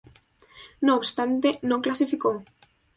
No obstante, no clasificó.